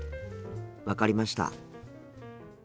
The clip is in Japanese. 分かりました。